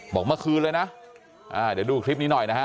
บอกเมื่อคืนเลยนะเดี๋ยวดูคลิปนี้หน่อยนะฮะ